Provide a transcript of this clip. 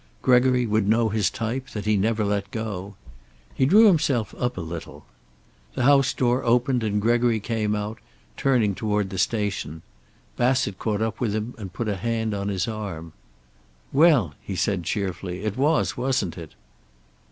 Gregory would know his type, that he never let go. He drew himself up a little. The house door opened, and Gregory came out, turning toward the station. Bassett caught up with him and put a hand on his arm. "Well?" he said cheerfully. "It was, wasn't it?"